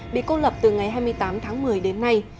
bị cô lập từ ngày hai mươi tám tháng một mươi đến nay